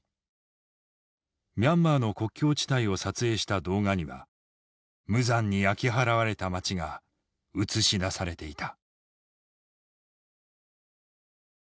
ミャンマーの国境地帯を撮影した動画には無残に焼き払われた町が映し出されていた。